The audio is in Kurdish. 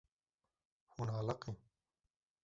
Hûn aliqîn.